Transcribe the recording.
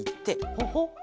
ほほっ。